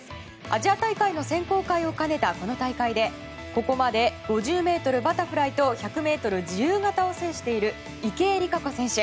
アジア大会の選考会を兼ねたこの大会でここまで５０ｍバタフライと１００ｍ自由形を制している池江璃花子選手。